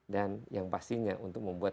dan yang pastinya untuk membuat